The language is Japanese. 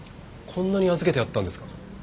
こんなに預けてあったんですか？